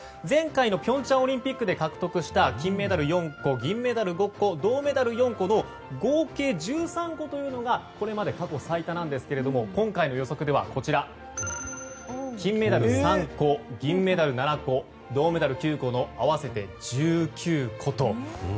前回の平昌オリンピックで獲得した、金メダル４個銀メダル５個、銅メダル４個の合計１３個というのがこれまで過去最多なんですが今回の予測では金メダル３個、銀メダル７個銅メダル９個の合わせて１９個と。